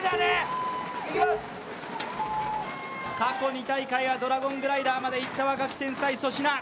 過去２大会はドラゴングライダーまで行った若き天才、粗品。